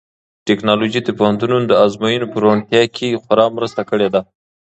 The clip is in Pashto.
ټیکنالوژي د پوهنتونونو د ازموینو په روڼتیا کې خورا مرسته کړې ده.